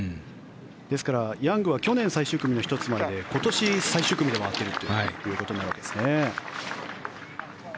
ですから、ヤングは去年最終組の１つ前で今年、最終組で回っているというわけですね。